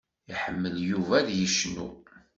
Iḥemmel Yuba ad icnu.